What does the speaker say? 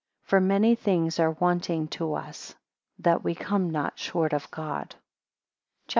20 For many things are wanting to us, that we come not short of God. CHAP.